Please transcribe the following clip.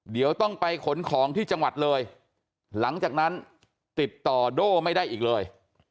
เดี๋ยวต้องไปขนของที่จังหวัดเลยหลังจากนั้นติดต่อโด่ไม่ได้อีกเลย